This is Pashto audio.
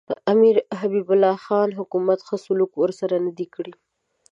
امیر حبیب الله خان حکومت ښه سلوک ورسره نه دی کړی.